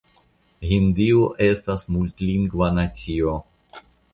Hindio estas multlingva nacio.